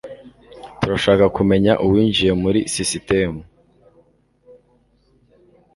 Turashaka kumenya uwinjiye muri sisitemu.